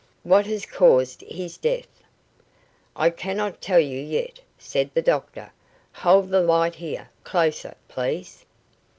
"What has caused his death?" "I cannot tell you yet," said the doctor. "Hold the light here, closer, please.